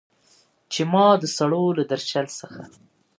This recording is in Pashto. چې ما د سړو له درشل څخه